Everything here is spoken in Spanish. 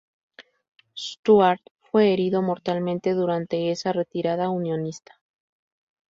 Stuart fue herido mortalmente durante esa retirada unionista.